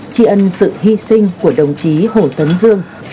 tri ân sự hy sinh của đồng chí hồ tấn dương